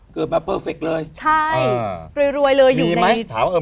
เกิดมาเพอร์เฟกต์เลยใช่อ่ารวยรวยเลยอยู่ในมีไหมถามอ่ะ